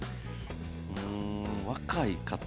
うん若い方。